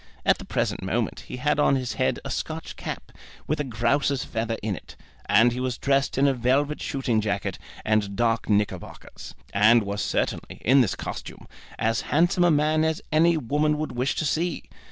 At the present moment he had on his head a Scotch cap with a grouse's feather in it, and he was dressed in a velvet shooting jacket and dark knickerbockers; and was certainly, in this costume, as handsome a man as any woman would wish to see.